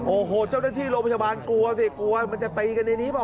โอ้โหเจ้าหน้าที่โรงพยาบาลกลัวสิกลัวมันจะตีกันในนี้เปล